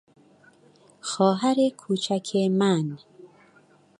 خواهر کوچک من